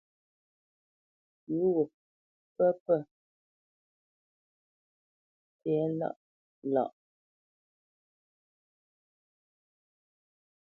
Pʉ̌ wo pə̂ pə tɛ̌lâʼ lâ.